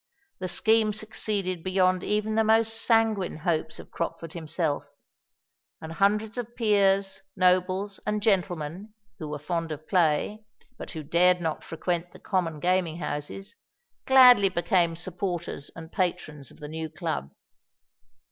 The scheme succeeded beyond even the most sanguine hopes of Crockford himself; and hundreds of peers, nobles, and gentlemen, who were fond of play, but who dared not frequent the common gaming houses, gladly became supporters and patrons of the new Club.